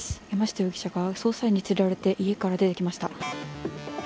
山下容疑者が捜査員に連れられて家から出てきました。